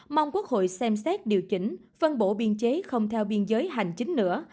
mong quốc hội xem xét điều chỉnh phân bổ biên chế không theo biên giới hành chính nữa